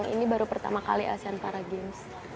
ini baru pertama kali asean para games